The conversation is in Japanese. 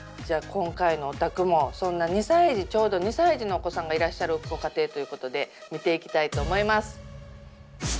じゃあ今回のお宅もそんな２歳児ちょうど２歳児のお子さんがいらっしゃるご家庭ということで見ていきたいと思います。